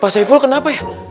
pak saiful kenapa ya